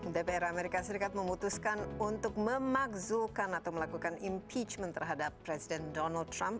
dpr amerika serikat memutuskan untuk memakzulkan atau melakukan impeachment terhadap presiden donald trump